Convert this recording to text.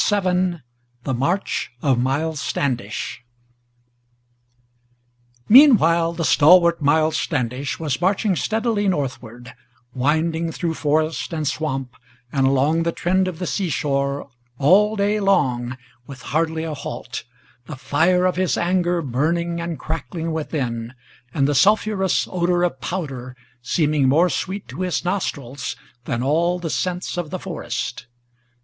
VII THE MARCH OF MILES STANDISH Meanwhile the stalwart Miles Standish was marching steadily northward, Winding through forest and swamp, and along the trend of the sea shore, All day long, with hardly a halt, the fire of his anger Burning and crackling within, and the sulphurous odor of powder Seeming more sweet to his nostrils than all the scents of the forest.